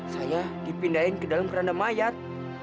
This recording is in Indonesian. saya dipindahin ke dalam keranda mayat